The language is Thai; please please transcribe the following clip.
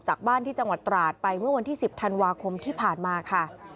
บ้านที่จังหวัดตราดไปเมื่อวันที่๑๐ธันวาคมที่ผ่านมาค่ะ